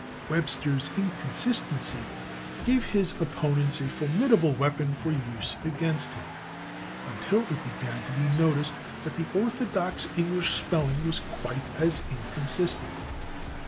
Webster's inconsistency gave his opponents a formidable weapon for use against him until it began to be noticed that the orthodox English spelling was quite as inconsistent.